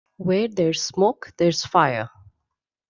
Where there's smoke there's fire.